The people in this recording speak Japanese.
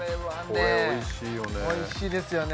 これおいしいよね